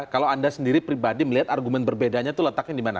kalau anda sendiri pribadi melihat argumen berbedanya itu letaknya di mana